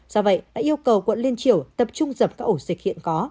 do vậy đã yêu cầu quận liên triều tập trung dập các ổ dịch hiện có